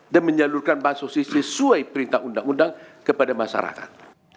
dan menyalurkan bantuan sosial sesuai perintah undang undang kepada masyarakat